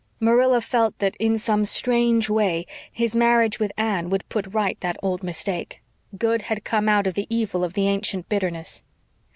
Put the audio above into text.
Marilla felt that, in some strange way, his marriage with Anne would put right that old mistake. Good had come out of the evil of the ancient bitterness.